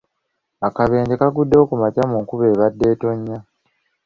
Akabenje kaguddewo ku makya mu nkuba ebadde etonnya .